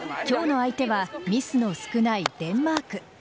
今日の相手はミスの少ないデンマーク。